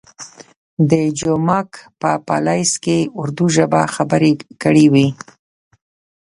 د جومک په پالیز کې اردو ژبه خبرې کړې وې.